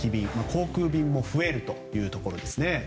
航空便も増えるというところですね。